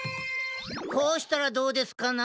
こうしたらどうですかな？